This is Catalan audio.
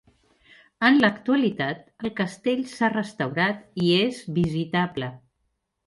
En l'actualitat el castell s'ha restaurat i és visitable.